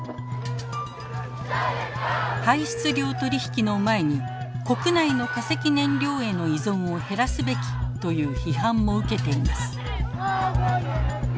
排出量取引の前に国内の化石燃料への依存を減らすべきという批判も受けています。